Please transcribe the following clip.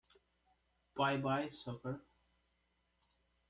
Bye-bye, sucker!